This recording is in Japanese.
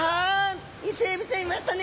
イセエビちゃんいましたね！